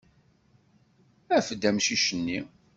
Af-d amcic-nni.